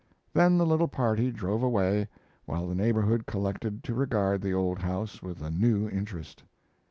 Then the little party drove away, while the neighborhood collected to regard the old house with a new interest.